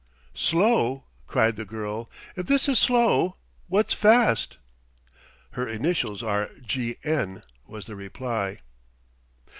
"Slow," cried the girl. "If this is slow, what's fast?" "Her initials are G. N.," was the reply.